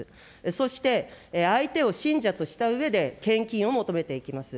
そして、相手を信者としたうえで献金を求めていきます。